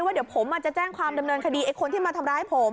ว่าเดี๋ยวผมจะแจ้งความดำเนินคดีไอ้คนที่มาทำร้ายผม